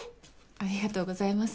ありがとうございます。